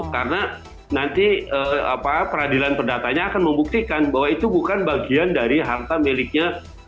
karena nanti peradilan perdatanya akan membuktikan bahwa itu bukan bagian dari harta miliknya pelakunya